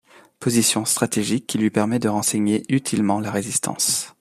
Position stratégique qui lui permet de renseigner utilement la Résistance.